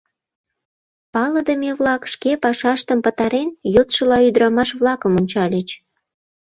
Палыдыме-влак, шке пашаштым пытарен, йодшыла ӱдырамаш-влакым ончальыч.